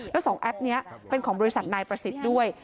แล้ว๒แอปนี้เป็นของบริษัทนายประสิทธิ์ด้วย